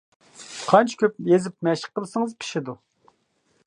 قانچە كۆپ يېزىپ مەشىق قىلسىڭىز پىشىدۇ.